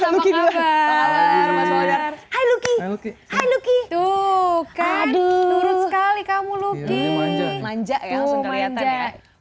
hai lucky hai lucky hai lucky tuh kan turut sekali kamu lucky manja ya langsung kelihatan ya